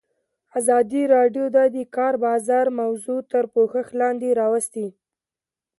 ازادي راډیو د د کار بازار موضوع تر پوښښ لاندې راوستې.